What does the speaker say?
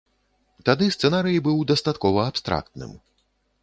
Тады сцэнарый быў дастаткова абстрактным.